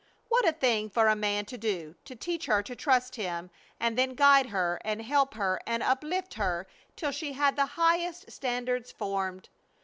What a thing for a man to do, to teach her to trust him, and then guide her and help her and uplift her till she had the highest standards formed!